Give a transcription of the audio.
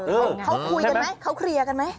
เขาคุยกันไหมเขาเคลียร์กันไหม